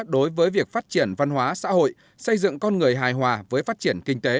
đối với việc phát triển văn hóa xã hội xây dựng con người hài hòa với phát triển kinh tế